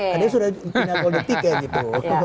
karena sudah pinakol di tiket gitu